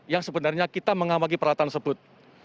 yang sebenarnya kita mengamati peralatan tersebut